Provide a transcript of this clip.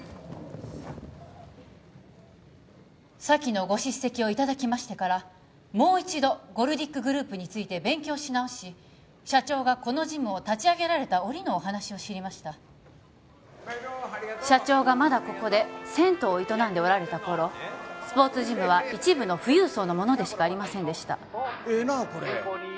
先のご叱責をいただきましてからもう一度ゴルディックグループについて勉強し直し社長がこのジムを立ち上げられた折のお話を知りました社長がまだここで銭湯を営んでおられた頃スポーツジムは一部の富裕層のものでしかありませんでしたええなあこれ